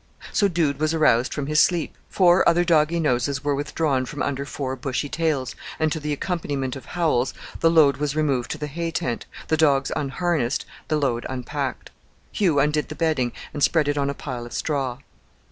So Dude was aroused from his sleep; four other doggy noses were withdrawn from under four bushy tails, and to the accompaniment of howls the load was removed to the hay tent, the dogs unharnessed, the load unpacked. Hugh undid the bedding and spread it on a pile of straw.